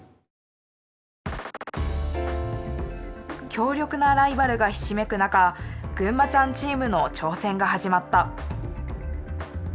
強力なライバルがひしめく中ぐんまちゃんチームの挑戦が始まった。